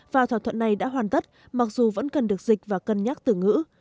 và thỏa thuận này đã hoàn tất mặc dù vẫn cần được dịch và cân nhắc từ ngữ